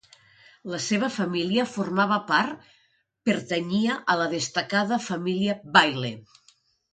La seva família formava part pertanyia a la destacada família Biddle.